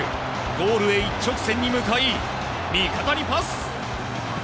ゴールへ一直線に向かい味方にパス。